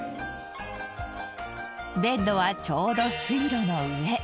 ベッドはちょうど水路の上。